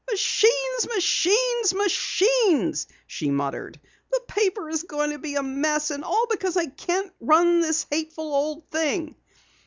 "Machines, machines, machines," she muttered. "The paper is going to be a mess and all because I can't run this hateful old thing!"